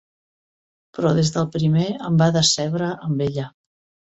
Però des del primer em va decebre amb ella.